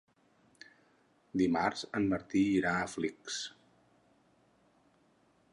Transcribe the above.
Dimarts en Martí irà a Flix.